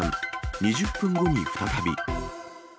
２０分後に再び。